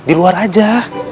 di luar aja